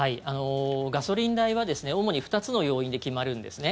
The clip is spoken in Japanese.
ガソリン代は、主に２つの要因で決まるんですね。